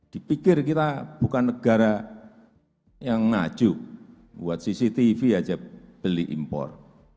dipikir kita bukan negara yang ngaju buat cctv aja beli impor